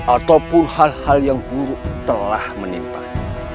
ataupun hal hal yang buruk telah menimpa